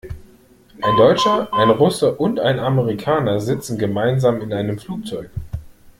Ein Deutscher, ein Russe und ein Amerikaner sitzen gemeinsam in einem Flugzeug.